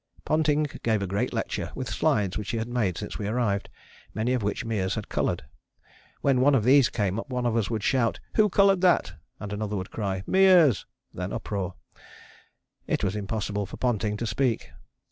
Ponting gave a great lecture with slides which he had made since we arrived, many of which Meares had coloured. When one of these came up one of us would shout, "Who coloured that," and another would cry, "Meares," then uproar. It was impossible for Ponting to speak.